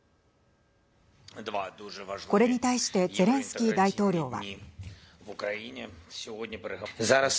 これに対してゼレンスキー大統領は。